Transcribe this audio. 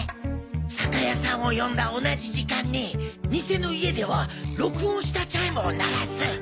酒屋さんを呼んだ同じ時間に偽の家では録音したチャイムを鳴らす。